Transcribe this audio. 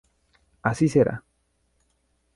Así será".